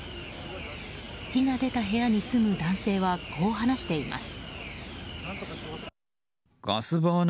火が出た部屋に住む男性はこう話しています。